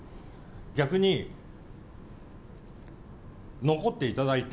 逆に、残っていただいて。